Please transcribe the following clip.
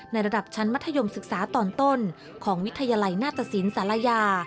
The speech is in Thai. ระดับชั้นมัธยมศึกษาตอนต้นของวิทยาลัยหน้าตสินศาลายา